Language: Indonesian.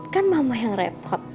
kan mama yang repot